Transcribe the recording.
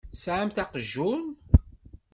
Tesɛamt aqjun?